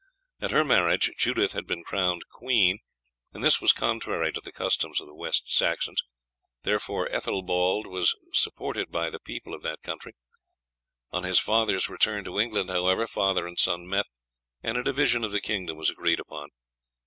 At her marriage Judith had been crowned queen, and this was contrary to the customs of the West Saxons, therefore Ethelbald was supported by the people of that country; on his father's return to England, however, father and son met, and a division of the kingdom was agreed upon.